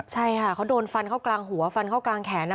ใช่ค่ะเขาโดนฟันเขากลางหัวฝนกลางแขน